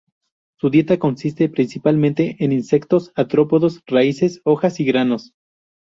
Su dieta consiste principalmente en insectos, artrópodos, raíces, hojas y granos.